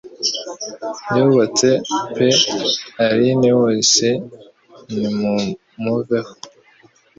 Yubatse pe Allayne wose ni mu muveho